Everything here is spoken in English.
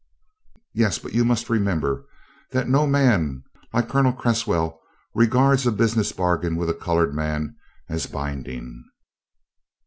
"Yes, but you must remember that no man like Colonel Cresswell regards a business bargain with a colored man as binding.